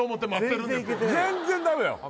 全然ダメよ